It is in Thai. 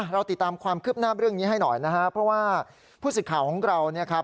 เราติดตามความคืบหน้าเรื่องนี้ให้หน่อยนะฮะเพราะว่าผู้สิทธิ์ข่าวของเราเนี่ยครับ